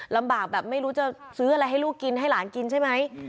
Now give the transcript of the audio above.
ลำบากแบบไม่รู้จะซื้ออะไรให้ลูกกินให้หลานกินใช่ไหม